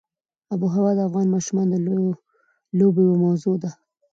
آب وهوا د افغان ماشومانو د لوبو یوه موضوع ده.